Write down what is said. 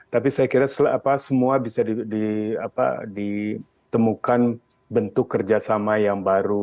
tapi saya kira semua bisa ditemukan bentuk kerjasama yang baru